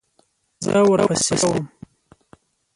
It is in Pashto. زه ورپسې وم .